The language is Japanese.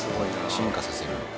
進化させるんだ。